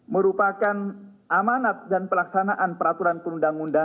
merupakan amanat dan pelaksanaan peraturan perundang undangan